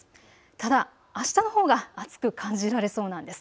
ただあしたのほうが暑く感じられそうなんです。